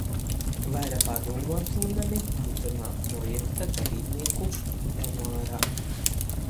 Vaira padūmu atrūnami itymā projekta daleibnīku emuarā.